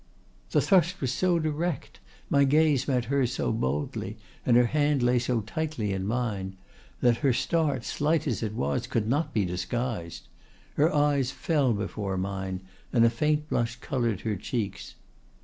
"The thrust was so direct, my gaze met hers so boldly, and her hand lay so tightly in mine, that her start, slight as it was, could not be disguised; her eyes fell before mine, and a faint blush colored her cheeks.